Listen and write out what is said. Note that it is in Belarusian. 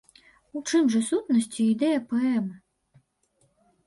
У чым жа сутнасць і ідэя паэмы?